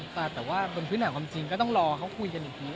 แต่ว่าบนพื้นฐานความจริงก็ต้องรอเขาคุยกันอีกที